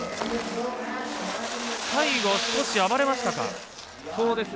最後、少し暴れましたか。